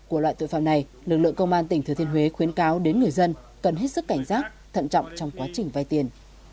của loại tội phạm này lực lượng công an tỉnh thừa thiên huế khuyến cáo đến người dân cần hết sức cảnh giác thận trọng trong quá trình vay tiền